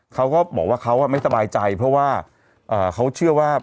เขาก็บอกว่าเขาไม่สบายใจเพราะว่าเขาเชื่อว่า